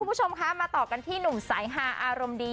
คุณผู้ชมคะมาต่อกันที่หนุ่มสายฮาอารมณ์ดี